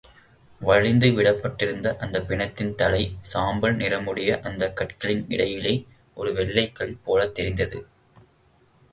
வழித்துவிடப்பட்டிருந்த அந்தப் பிணத்தின் தலை, சாம்பல் நிறமுடைய அந்தக் கற்களின் இடையிலே, ஒரு வெள்ளைக் கல் போலத் தெரிந்தது.